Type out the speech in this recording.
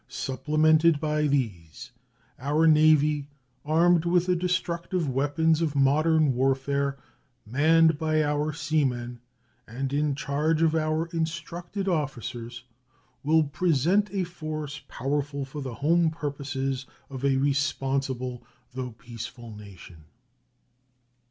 Supplemented by these, our Navy, armed with the destructive weapons of modern warfare, manned by our seamen, and in charge of our instructed officers, will present a force powerful for the home purposes of a responsible though peaceful nation.